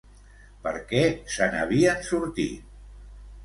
Per què se n'havien sortit?